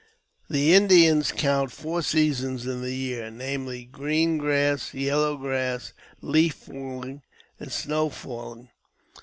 The Indians count four seasons in the year; namely, green grass, yellow grass, leaf falling, and snow falling.